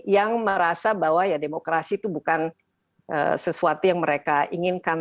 yang merasa bahwa ya demokrasi itu bukan sesuatu yang mereka inginkan